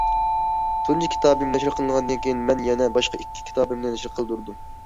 تۇنجى كىتابىم نەشر قىلىنغاندىن كېيىن، مەن يەنە باشقا ئىككى كىتابىمنى نەشر قىلدۇردۇم.